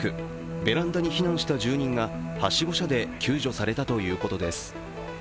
ベランダに避難した住人がはしご車で救助されたということです。